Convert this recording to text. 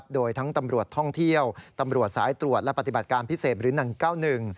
โดยทั้งตำรวจท่องเที่ยวตำรวจสายตรวจและปฏิบัติการพิเศษหรือ๑๙๑